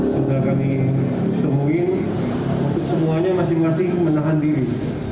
sudah kami temui semuanya masih masih menahan diri